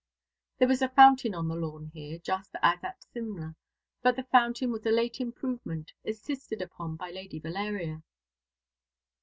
There was a fountain on the lawn here, just as at Simla; but the fountain was a late improvement, insisted upon by Lady Valeria.